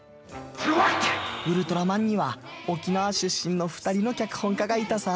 「ウルトラマン」には沖縄出身の２人の脚本家がいたさ。